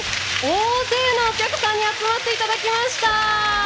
大勢のお客さんに集まっていただきました。